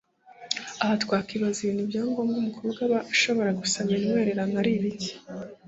Aha twakwibaza ibintu bya ngombwa umukobwa aba ashobora gusabira intwererano ari ibiki